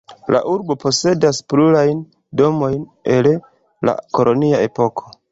La urbo posedas plurajn domojn el la kolonia epoko.